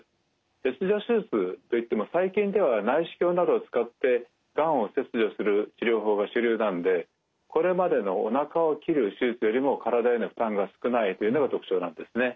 切除手術といっても最近では内視鏡などを使ってがんを切除する治療法が主流なんでこれまでのおなかを切る手術よりも体への負担が少ないというのが特徴なんですね。